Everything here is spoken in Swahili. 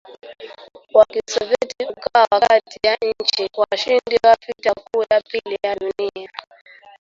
wa Kisovyeti ukawa kati ya nchi washindi wa vita kuu ya pili ya dunia